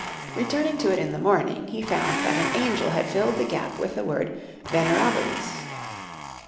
Returning to it in the morning, he found that an angel had filled the gap with the word "venerabilis."